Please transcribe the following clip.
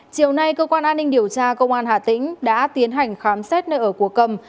chiều nay cơ quan an ninh điều tra công an hà tĩnh đã tiến hành khám xét nơi ở của cầm